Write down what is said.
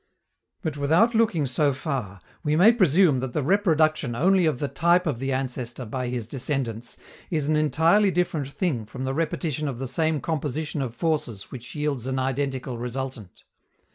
But, without looking so far, we may presume that the reproduction only of the type of the ancestor by his descendants is an entirely different thing from the repetition of the same composition of forces which yields an identical resultant.